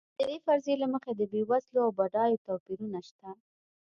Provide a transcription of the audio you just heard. د دې فرضیې له مخې د بېوزلو او بډایو توپیرونه شته.